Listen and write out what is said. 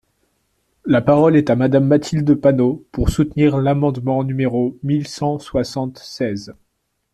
La parole est à Madame Mathilde Panot, pour soutenir l’amendement numéro mille cent soixante-seize.